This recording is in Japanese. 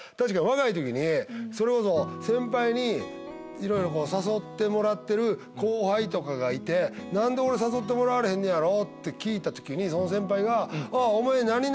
若い時にそれこそ先輩にいろいろ誘ってもらってる後輩とかがいて何で誘ってもらわれへんねやろ？って聞いた時にその先輩が。